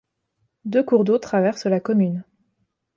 Deux cours d'eau traversent la commune.